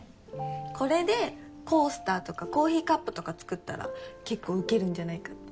これでコースターとかコーヒーカップとか作ったら結構受けるんじゃないかって。